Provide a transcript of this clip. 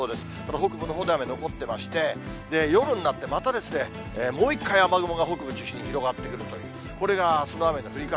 北部のほうでは雨残ってまして、夜になって、また、もう一回雨雲が北部を中心に広がってくるという、これがあすの雨の降り方。